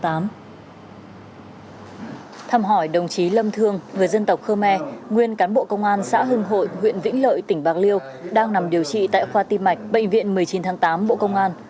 thăm hỏi đồng chí lâm thương người dân tộc khơ me nguyên cán bộ công an xã hưng hội huyện vĩnh lợi tỉnh bạc liêu đang nằm điều trị tại khoa tiêm mạch bệnh viện một mươi chín tháng tám bộ công an